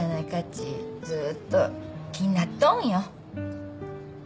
ちずっと気になっとうんよ。